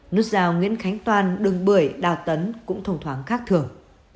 nút rào nguyễn khánh toàn đường bưởi đào tấn cũng thông thoáng khác thường